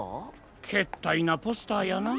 けったいなポスターやなあ。